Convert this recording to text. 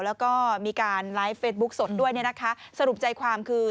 แล้วก็มีการไลฟ์เฟสบุ๊คสดด้วยสรุปใจความคือ